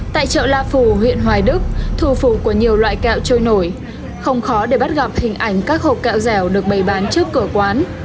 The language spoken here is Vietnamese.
tại chợ la phủ huyện hoài đức thủ phủ của nhiều loại kẹo trôi nổi không khó để bắt gặp hình ảnh các hộp kẹo dẻo được bày bán trước cửa quán